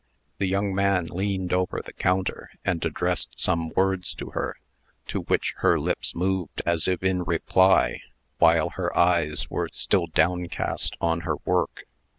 The young man leaned over the counter, and addressed some words to her, to which her lips moved as if in reply, while her eyes were still downcast on her work.